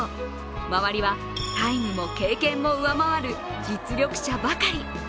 周りはタイムも経験も上回る実力者ばかり。